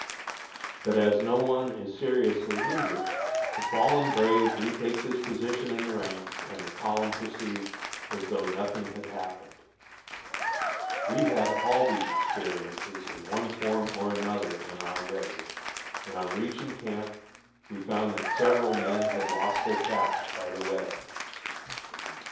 But as no one is seriously injured, the "fallen brave" retakes his position in the ranks and the column proceeds as though nothing had happened. We had all these experiences in one form or another in our raid, and on reaching camp we found that several men had lost their caps by the way.